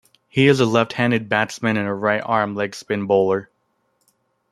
He is a left-handed batsman and a right-arm leg-spin bowler.